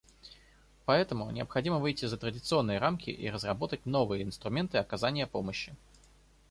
Поэтому необходимо выйти за традиционные рамки и разработать новые инструменты оказания помощи.